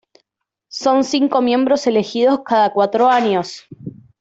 Son cinco miembros elegidos cada cuatro años.